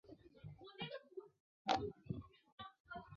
但是凯蒂有个梦想就是录制她的音乐专辑。